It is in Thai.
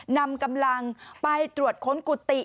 นำกำลังไปตรวจค้นกุฏิ